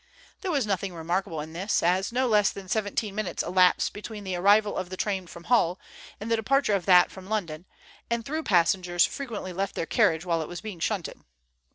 There was nothing remarkable in this, as no less than seventeen minutes elapsed between the arrival of the train from Hull and the departure of that from London, and through passengers frequently left their carriage while it was being shunted.